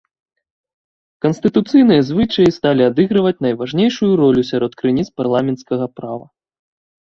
Канстытуцыйныя звычаі сталі адыгрываць найважнейшую ролю сярод крыніц парламенцкага права.